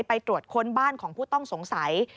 ไปตรวจค้นบ้านของผู้ต้องสงสัย